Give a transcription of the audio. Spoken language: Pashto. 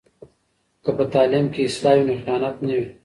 که په تعلیم کې اصلاح وي نو خیانت نه وي.